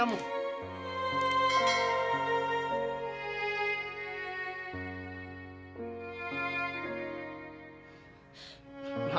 kamu bakal dilihat beneran